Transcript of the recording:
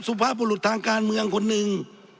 สุภาพบุรุษทางการเมืองคนหนึ่ง